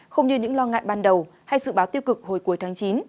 không như những lo ngại ban đầu hay dự báo tiêu cực hồi cuối tháng chín